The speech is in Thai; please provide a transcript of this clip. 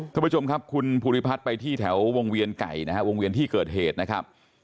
ท่านผู้ชมครับคุณภูริพัฒน์ไปที่แถววงเวียนไก่นะฮะวงเวียนที่เกิดเหตุนะครับ